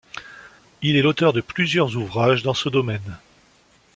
Il est l'auteur de plusieurs ouvrages dans ce domaine.